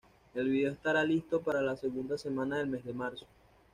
El video estará listo para la segunda semana del mes de marzo.